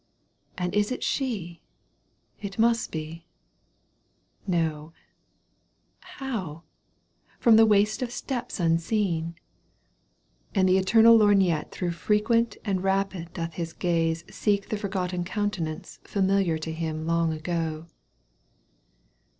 " And is it she ? It must be — no — 7 How ! from the waste of steppes unseen," — And the eternal lorgnette through Frequent and rapid doth his glance Seek the forgotten countenance Familiar to him long ago.